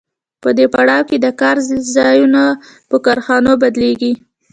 په دې پړاو کې د کار ځایونه په کارخانو بدلېږي